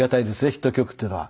ヒット曲っていうのは。